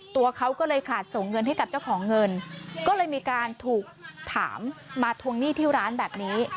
ตัวเขาก็เลยขาดส่งเงินให้กับเจ้าของเงินก็เลยมีการถูกถามมาทวงหนี้ที่ร้านแบบนี้